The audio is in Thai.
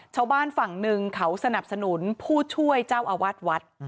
ชาวบ้านฝั่งหนึ่งเขาสนับสนุนผู้ช่วยเจ้าอาวาสวัด